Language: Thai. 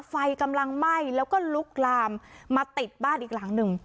ไฟกำลังไหม้แล้วก็ลุกลามมาติดบ้านอีกหลังหนึ่ง